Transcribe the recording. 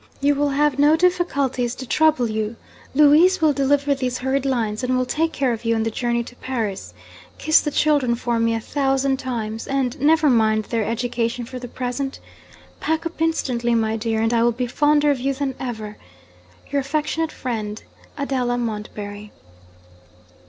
You will have no difficulties to trouble you. Louis will deliver these hurried lines, and will take care of you on the journey to Paris. Kiss the children for me a thousand times and never mind their education for the present! Pack up instantly, my dear, and I will be fonder of you than ever. Your affectionate friend, Adela Montbarry.'